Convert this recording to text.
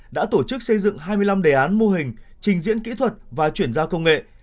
đã tổ chức xây dựng hai mươi năm đề án mô hình trình diễn kỹ thuật và chuyển giao công nghệ